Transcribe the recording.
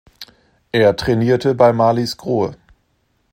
Er trainierte bei Marlies Grohe.